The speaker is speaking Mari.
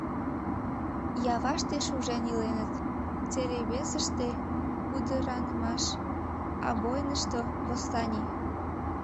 Яваште шужен иленыт, Целебесыште — пудыранымаш, Амбойнышто — восстаний.